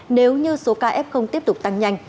nếu như số ca f tiếp tục tăng nhanh